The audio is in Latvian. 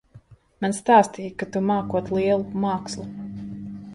Man stāstīja, ka tu mākot lielu mākslu.